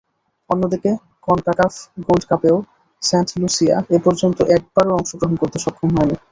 অন্যদিকে, CONCACAF gold কাপেও Saint Lucia এপর্যন্ত একবারও অংশগ্রহণ করতে সক্ষম হয়নি।